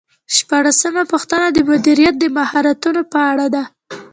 شپاړسمه پوښتنه د مدیریت د مهارتونو په اړه ده.